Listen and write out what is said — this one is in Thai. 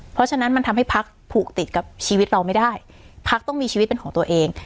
เพราะฉะนั้นมันทำให้พักผูกติดกับชีวิตเราไม่ได้พักต้องมีชีวิตเป็นของตัวเอง